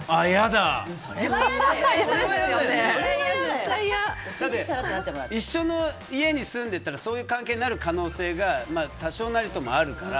だって、一緒の家に住んでいたらそうなる可能性が多少なりともあるから。